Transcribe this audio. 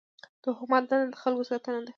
د حکومت دنده د خلکو ساتنه ده.